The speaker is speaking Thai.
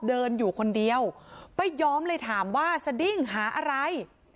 เดินอยู่คนเดียวป้าย้อมเลยถามว่าสดิ้งหาอะไร